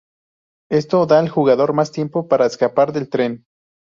Esto da al jugador más tiempo para escapar del tren.